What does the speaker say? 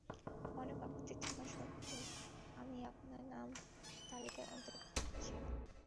অনেক আপত্তি থাকা সত্ত্বেও আমি আপনার নাম তালিকায় অন্তর্ভুক্ত করেছি।